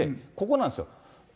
ここなんですよ。